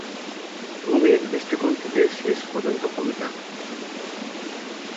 রুমির দৃষ্টিকোণ থেকে শেষ পর্যন্ত কবিতা।